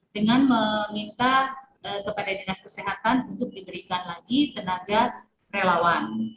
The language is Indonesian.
dengan meminta kepada dinas kesehatan untuk diberikan lagi tenaga relawan